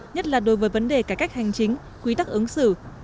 nhất là đối với vấn đề cải cách hành chính quy tắc ứng xử